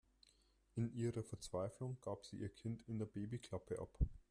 In ihrer Verzweiflung gab sie ihr Kind in der Babyklappe ab.